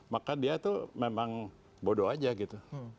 maka dia tuh memang bodoh aja gitu